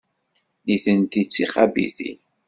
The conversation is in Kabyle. Nitenti d tixabitin.